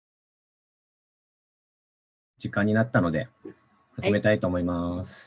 時間になったので始めたいと思います。